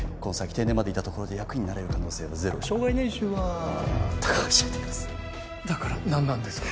定年までいたところで役員になれる可能性はゼロ生涯年収はたかが知れていますだから何なんですか？